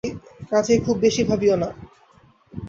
কাজেই খুব বেশি ভাবিও না।